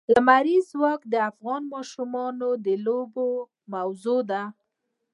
لمریز ځواک د افغان ماشومانو د لوبو موضوع ده.